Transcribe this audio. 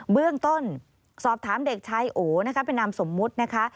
เบื้องต้นสอบถามเด็กชายโอนะคะเป็นนามสมมุตินะคะ